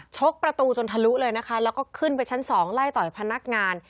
ชกประตูจนทะลุเลยนะคะแล้วก็ขึ้นไปชั้นสองไล่ต่อยพนักงาน